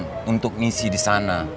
kamu berkompeten untuk ngisi disana